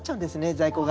在庫が。